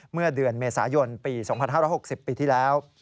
เมื่อเดือนเมษายนปี๒๕๖๐ปีที่แล้ว